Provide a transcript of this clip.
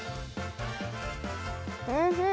おいしい。